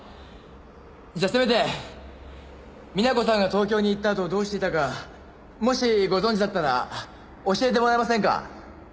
じゃあせめて皆子さんが東京に行ったあとどうしていたかもしご存じだったら教えてもらえませんか？